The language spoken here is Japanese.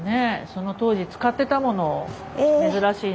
その当時使ってたものを珍しいので。